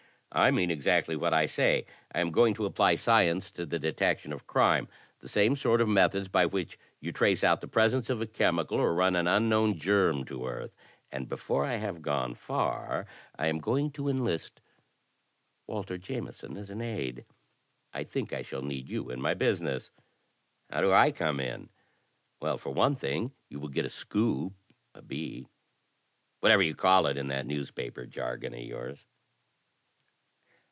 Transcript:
" I mean exactly what I say. I am going to apply science to the detection of crime, the same sort of methods by which you trace out the presence of a chemical, or run an unknown germ to earth. And before I have gone far, I am ^^oing to enlist Walter Jameson as an aide. I think I shall need you in my business." "How do I come in?" "Well, for one thing, you will get a scoop, a beat, — whatever you call it in that newspaper jargon of yours."